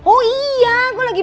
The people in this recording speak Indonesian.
nindi nanya sama rena